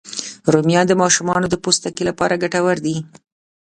رومیان د ماشومانو د پوستکي لپاره ګټور دي